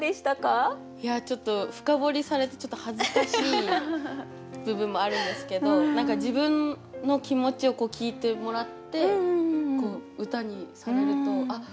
ちょっと深掘りされて恥ずかしい部分もあるんですけど自分の気持ちを聞いてもらって歌にされるとあっ！